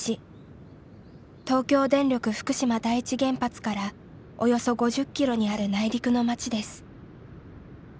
東京電力福島第一原発からおよそ５０キロにある内陸の町です。